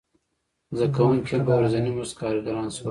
زده کوونکي هم په ورځیني مزد کارګران شول.